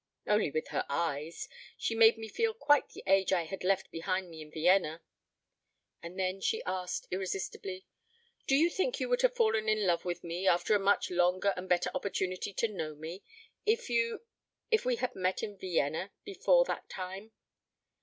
"Only with her eyes. She made me feel quite the age I had left behind me in Vienna." And then she asked irresistibly, "Do you think you would have fallen in love with me, after a much longer and better opportunity to know me, if you if we had met in Vienna before that time?"